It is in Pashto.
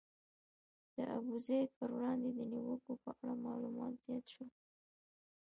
د ابوزید پر وړاندې د نیوکو په اړه معلومات زیات شول.